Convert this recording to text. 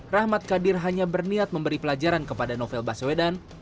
rahmat kadir hanya berniat memberi pelajaran kepada novel baswedan